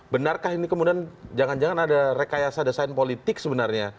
benarkah ini kemudian jangan jangan ada rekayasa desain politik sebenarnya